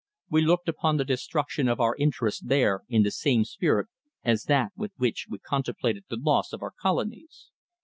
We looked upon the destruction of our interests there in the same spirit as that with which we contemplated the loss of our colonies.